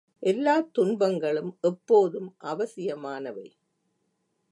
எல்லாத் துன்பங்களும் எப்போதும் அவசியமானவை.